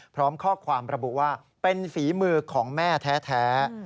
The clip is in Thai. พร้อมข้อความระบุว่าเป็นฝีมือของแม่แท้